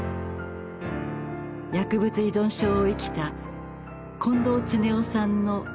薬物依存症を生きた近藤恒夫さんの言葉です。